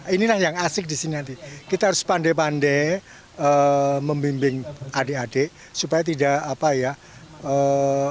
ini yang asik disini kita harus pandai pandai membimbing adik adik supaya tidak iri lho itu terus yang di apa dibatasi sama gadis gadis